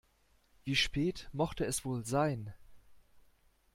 Wie spät mochte es wohl sein?